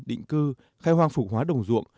định cư khai hoang phục hóa đồng ruộng